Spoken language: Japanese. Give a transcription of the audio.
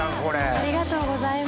ありがとうございます。